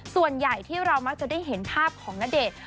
ส่วนใหญ่ที่เรามักจะได้เห็นภาพของณเดชน์